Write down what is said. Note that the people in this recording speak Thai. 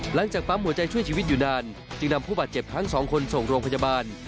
หลังจากปั๊มหัวใจช่วยชีวิตอยู่นานจึงนำผู้บาดเจ็บทั้งสองคนส่งโรงพยาบาล